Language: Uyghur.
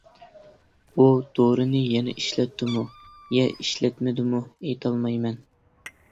ئۇ دورىنى يەنە ئىشلەتتىمۇ، يە ئىشلەتمىدىمۇ ئېيتالمايمەن.